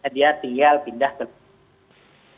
dia tinggal pindah ke